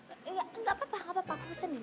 enggak enggak apa apa aku pesenin